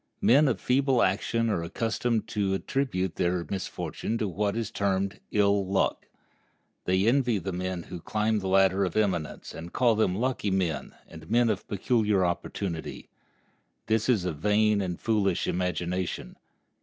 Men of feeble action are accustomed to attribute their misfortune to what is termed ill luck. They envy the men who climb the ladder of eminence, and call them lucky men and men of peculiar opportunity. This is a vain and foolish imagination.